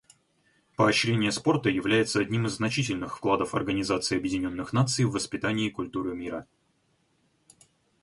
Поощрение спорта является одним из значительных вкладов Организации Объединенных Наций в воспитании культуры мира.